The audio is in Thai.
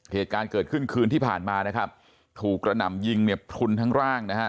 เหตุการณ์เกิดขึ้นคืนที่ผ่านมานะครับถูกกระหน่ำยิงเนี่ยพลุนทั้งร่างนะฮะ